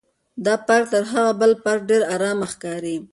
دا پارک تر هغه بل پارک ډېر ارامه ښکاري.